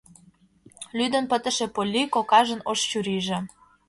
Лӱдын пытыше Полли кокажын ош чурийже...